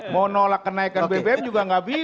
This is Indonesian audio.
mau nolak kenaikan bbm juga nggak bisa